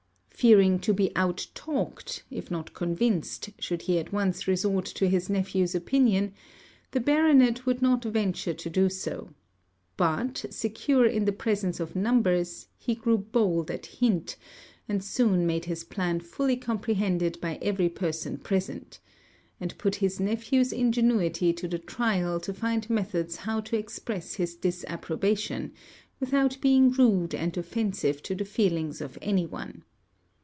Fearing to be out talked, if not convinced, should he at once resort to his nephew's opinion, the Baronet would not venture to do so; but, secure in the presence of numbers, he grew bold at hint, and soon made his plan fully comprehended by every person present; and put his nephew's ingenuity to the trial to find methods how to express his disapprobation, without being rude and offensive to the feelings of any one.